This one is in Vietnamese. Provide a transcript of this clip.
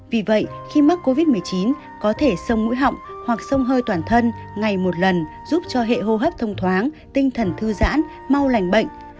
vì vậy khi mắc covid một mươi chín có thể sông mũi họng hoặc sông hơi toàn thân ngày một lần giúp cho hệ hô hấp thông thoáng tinh thần thư giãn mau lành bệnh